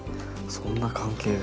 そんな関係が。